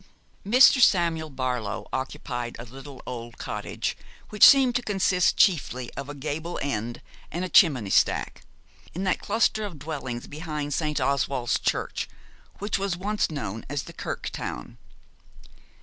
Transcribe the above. Mr. Samuel Barlow occupied a little old cottage, which seemed to consist chiefly of a gable end and a chimney stack, in that cluster of dwellings behind St. Oswald's church, which was once known as the Kirk Town.